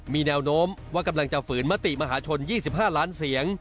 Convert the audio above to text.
มีแนวโน้มว่ากำลังจะฝืนมติมหาชน๒๕ล้านเสียง